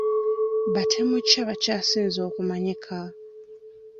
Batemu ki abakyasinze okumanyika?